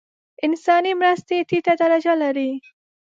انساني مرستې ټیټه درجه لري.